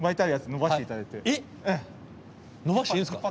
伸ばしていいんですか？